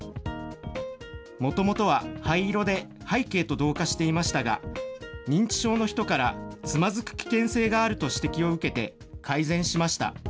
もともとは灰色で背景と同化していましたが、認知症の人からつまずく危険性があると指摘を受けて改善しました。